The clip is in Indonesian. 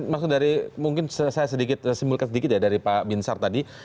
maksud dari mungkin saya sedikit simulkan sedikit dari pak bin sar tadi